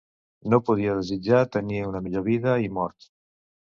No podia desitjar tenir una millor vida i mort.